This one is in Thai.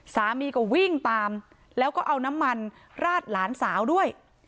สามีก็วิ่งตามแล้วก็เอาน้ำมันราดหลานสาวด้วย